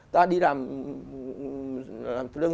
ta đi làm